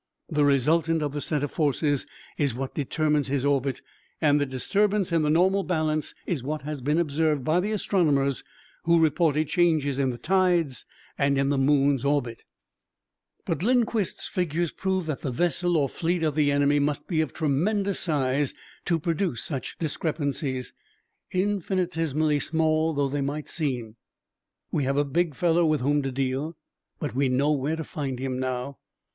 The resultant of the set of forces is what determines his orbit and the disturbance in the normal balance is what has been observed by the astronomers who reported changes in the tides and in the moon's orbit." "But Lindquist's figures prove that the vessel or fleet of the enemy must be of tremendous size to produce such discrepancies, infinitesimally small though they might seem. We have a big fellow with whom to deal, but we know where to find him now."